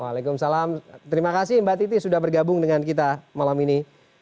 waalaikumsalam terima kasih mbak titi sudah bergabung dengan kita malam ini